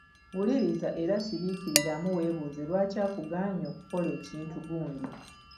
Wuliriza era siriikiriramu weebuuze lwaki akugaanyi okukola ekintu gundi.